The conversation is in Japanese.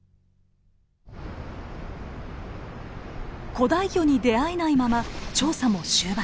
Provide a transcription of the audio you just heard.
古代魚に出会えないまま調査も終盤。